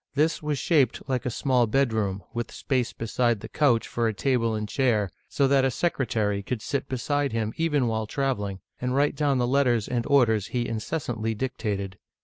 This was shaped like a small bedroom, with space beside the couch for a table and chair, so that a secretary could sit beside him even while traveling, and write down the letters and orders he incessantly dictated.